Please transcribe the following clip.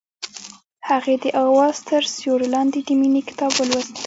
هغې د اواز تر سیوري لاندې د مینې کتاب ولوست.